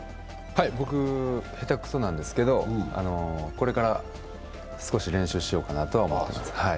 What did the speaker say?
はい、僕、下手くそなんですけど、これから少し練習しようかなとは思っています。